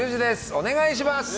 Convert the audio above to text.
お願いします！